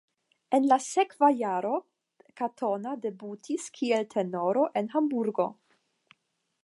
En la sekva jaro Katona debutis kiel tenoro en Hamburgo.